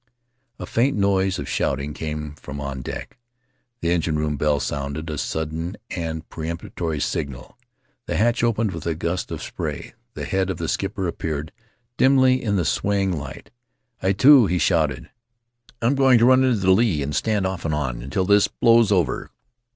A faint noise of shouting came from on deck; the His Mother's People engine room bell sounded a sudden and peremptory signal. The hatch opened with a gust of spray — the head of the skipper appeared dimly in the swaying light. "Atitu" he shouted; 'I'm going to run into the lee and stand off and on till this blows over."